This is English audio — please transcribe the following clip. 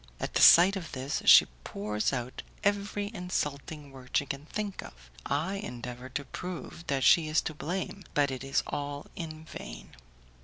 At the sight of this, she pours out every insulting word she can think of; I endeavour to prove that she is to blame, but it is all in vain.